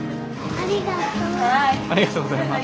ありがとうございます。